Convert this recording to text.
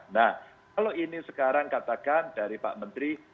nah kalau ini sekarang katakan dari pak menteri